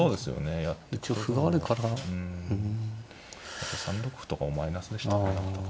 やっぱ３六歩とかもマイナスでしたか。